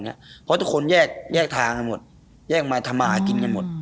เพราะทุกคนแยกทางกันหมดแยกมาทำมาหากินกันหมด